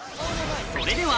それでは